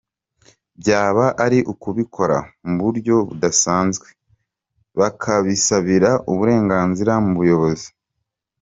Byaba ari ukubikora mu buryo budasanzwe bakabisabira uburenganzira mu buyobozi.